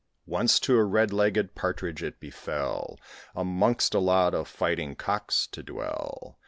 Once to a red legged Partridge it befell Amongst a lot of fighting Cocks to dwell.